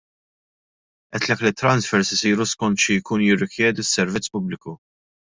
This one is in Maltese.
Għedtlek li t-transfers isiru skont xi jkun jirrikjedi s-servizz pubbliku.